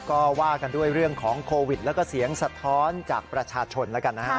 ก็ว่ากันด้วยเรื่องของโควิดแล้วก็เสียงสะท้อนจากประชาชนแล้วกันนะฮะ